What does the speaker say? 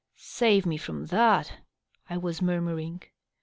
" Save me from iJiaty^ I was murmuring.